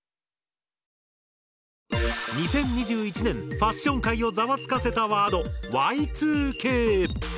２０２１年ファッション界をざわつかせたワード「Ｙ２Ｋ」。